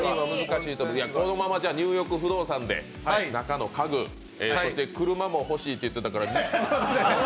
このままじゃ「ニューヨーク不動産」で中の家具、そして車も欲しいって言ってたから。